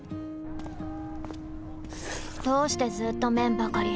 どうしてずーっと麺ばかり！